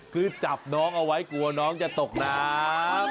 คือจับน้องเอาไว้กลัวน้องจะตกน้ำ